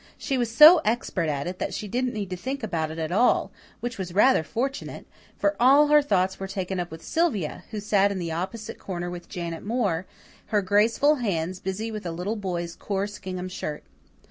She was so expert at it that she didn't need to think about it at all, which was rather fortunate, for all her thoughts were taken up with Sylvia, who sat in the opposite corner with Janet Moore, her graceful hands busy with a little boy's coarse gingham shirt.